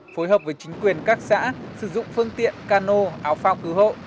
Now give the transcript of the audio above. phối hợp với chính quyền các xã sử dụng phương tiện cano áo phao cứu hộ